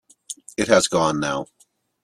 It has gone now.